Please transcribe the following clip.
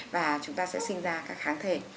và chúng ta sẽ sinh ra các kháng thể